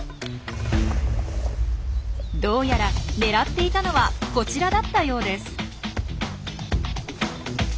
どうやら狙っていたのはこちらだったようです。